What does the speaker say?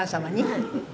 はい。